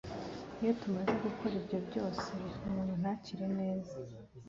Iyo tumaze gukora ibyo byose umuntu ntakire neza